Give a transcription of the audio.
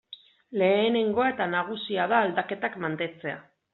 Lehenengoa eta nagusia da aldaketak mantentzea.